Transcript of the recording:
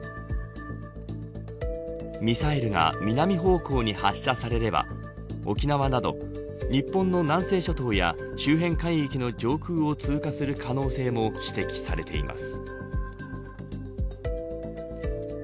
ミサイルが南方向に発射されれば沖縄など日本の南西諸島や周辺海域の上空を通過する可能性も指摘されています。